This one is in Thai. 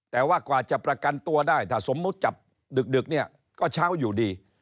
แต่ว่ากว่าจะประกันตัวได้ถ้าสมมุติจับดึกเนี่ยก็เช้าอยู่ดี